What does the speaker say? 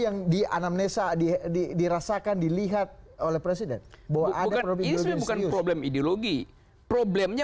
yang dianam nesa dirasakan dilihat oleh presiden bahwa ada lebih bukan problem ideologi problemnya